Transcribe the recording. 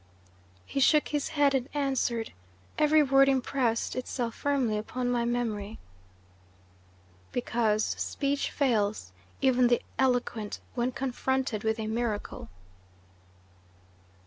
"He shook his head and answered every word impressed itself firmly upon my memory: 'Because speech fails even the eloquent when confronted with a miracle.